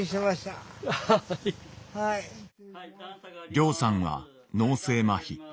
りょうさんは脳性まひ。